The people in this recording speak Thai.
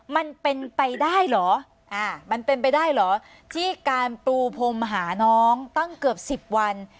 มันเป็นไปได้เหรอที่การปูพมหาน้องตั้งเกือบ๑๐วัน